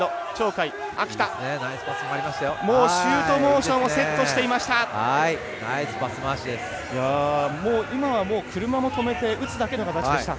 もうシュートモーションをセットしていました。